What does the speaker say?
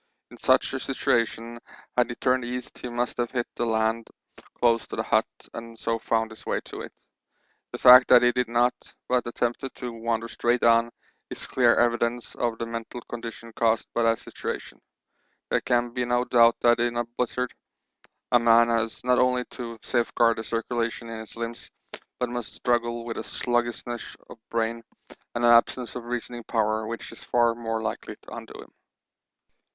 In such a situation had he turned east he must have hit the land somewhere close to the hut and so found his way to it. The fact that he did not, but attempted to wander straight on, is clear evidence of the mental condition caused by that situation. There can be no doubt that in a blizzard a man has not only to safeguard the circulation in his limbs, but must struggle with a sluggishness of brain and an absence of reasoning power which is far more likely to undo him.